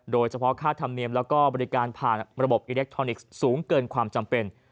โดยเฉพาะค่าธรรมเนียมแล้วก็บริการผ่านระบบอิเล็กทรอนิกส์สูงเกินความจำเป็น